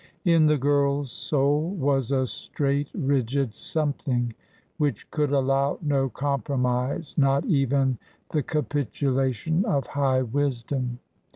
In the girl's soul was a straight, rigid something which could allow no compromise ^ not even the capitu lation of high wisdom.